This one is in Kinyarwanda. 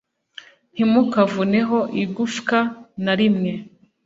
Ntimukavuneho igufwa na rimwe